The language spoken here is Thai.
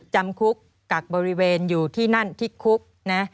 จำคุกกักบริเวณอยู่ที่นั่นที่คุกนะ